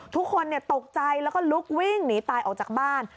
ทุกคนตกใจแล้วก็ลุกวิ่งหนีตายออกจากบ้าน